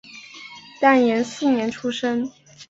建炎四年出生。